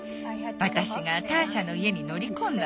私がターシャの家に乗り込んだの。